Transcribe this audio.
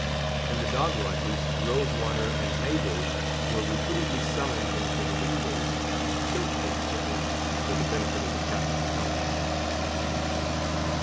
In the dog watches, Rose water and May day were repeatedly summoned into the lee waist to tilt at each other, for the benefit of the Captain's health.